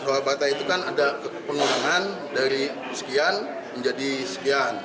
bahwa bata itu kan ada pengurangan dari sekian menjadi sekian